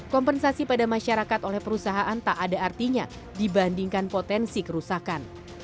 kompensasi pada masyarakat oleh perusahaan tak ada artinya dibandingkan potensi kerusakan